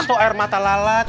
atau air mata lalat